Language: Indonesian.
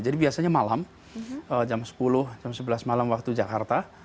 jadi biasanya malam jam sepuluh jam sebelas malam waktu jakarta